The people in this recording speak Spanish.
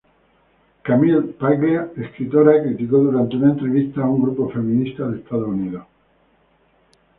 Camille Paglia, escritora, criticó durante una entrevista a un grupo feminista de Estados Unidos.